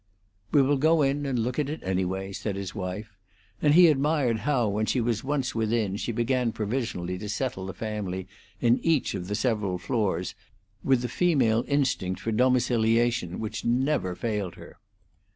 "We will go in and look at it, anyway," said his wife; and he admired how, when she was once within, she began provisionally to settle the family in each of the several floors with the female instinct for domiciliation which never failed her.